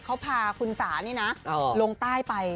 เขาพาคุณสานี่นะลงใต้ไป